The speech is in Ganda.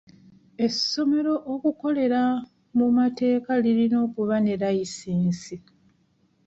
Essomero okukolera mu mateeta lirina okuba ne layisinsi.